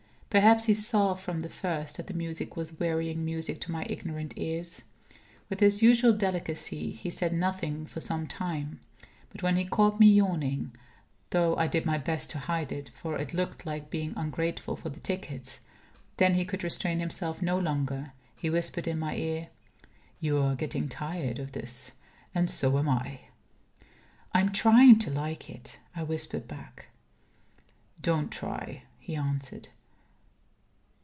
Perhaps he saw from the first that the music was wearying music to my ignorant ears. With his usual delicacy he said nothing for some time. But when he caught me yawning (though I did my best to hide it, for it looked like being ungrateful for the tickets), then he could restrain himself no longer. He whispered in my ear: "You are getting tired of this. And so am I." "I am trying to like it," I whispered back. "Don't try," he answered.